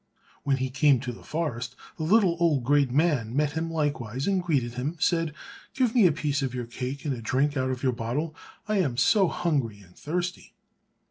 When he came to the forest the little old grey man met him likewise, and greeting him, said, "Give me a piece of your cake and a drink out of your bottle; I am so hungry and thirsty."